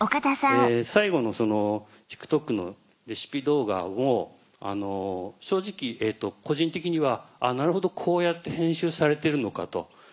最後のＴｉｋＴｏｋのレシピ動画も正直個人的には「あっなるほどこうやって編集されてるのか」と。